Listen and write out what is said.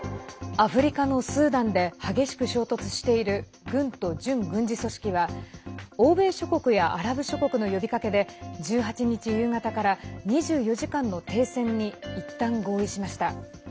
アフリカのスーダンで激しく衝突している軍と準軍事組織は欧米諸国やアラブ諸国の呼びかけで１８日夕方から２４時間の停戦にいったん合意しました。